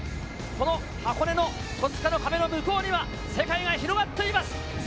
箱根の戸塚の壁の向こうには世界が広がっています。